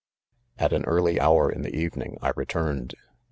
At an early hour in the evening, I returned.